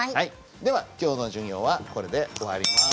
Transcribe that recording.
では今日の授業はこれで終わります。